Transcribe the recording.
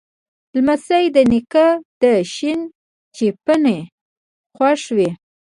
لمسی د نیکه له شین چپنه خوښ وي.